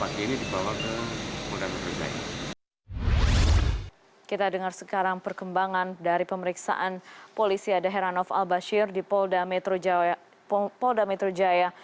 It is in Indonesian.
kita dengar sekarang perkembangan dari pemeriksaan polisi ada heranov al bashir di polda metro jaya